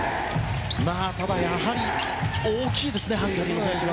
ただ、やはり大きいですねハンガリーの選手は。